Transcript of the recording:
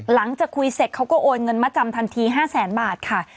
หลังจากคุยเสร็จเขาก็โอนเงินมาจำทันที๕แสนบาทค่ะ